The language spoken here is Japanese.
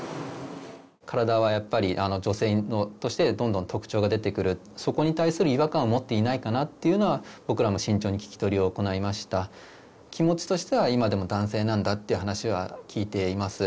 体はやっぱり女性としてどんどん特徴が出てくるそこに対する違和感を持っていないかなっていうのは僕らも慎重に聞き取りを行いました気持ちとしては今でも男性なんだっていう話は聞いています